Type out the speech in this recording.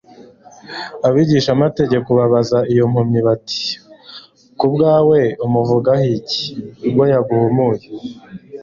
Abigishamategeko babaza iyo mpumyi bati: ku bwawe umuvugaho iki, ubwo yaguhumuye ?